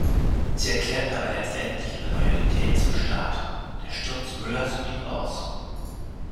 Sie erklärten dabei letztendlich ihre Loyalität zum Staat; der Sturz Müllers blieb aus.